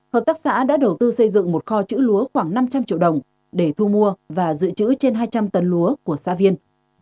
hợp tác xã đã đầu tư xây dựng một kho chữ lúa khoảng năm trăm linh triệu đồng để thu mua và dự trữ trên hai trăm linh tấn lúa của xã viên